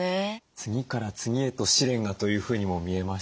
次から次へと試練がというふうにも見えましたよね。